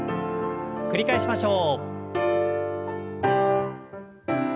繰り返しましょう。